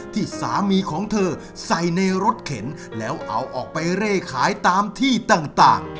ที่สามีของเธอใส่ในรถเข็นแล้วเอาออกไปเร่ขายตามที่ต่าง